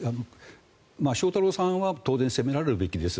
翔太郎さんは当然責められるべきです。